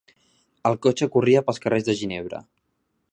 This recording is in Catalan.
El cotxe corria pels carrers de Ginebra.